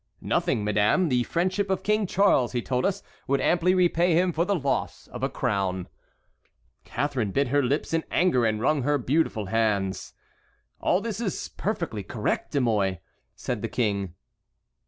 "Nothing, madame; the friendship of King Charles, he told us, would amply repay him for the loss of a crown." Catharine bit her lips in anger and wrung her beautiful hands. "All this is perfectly correct, De Mouy," said the King.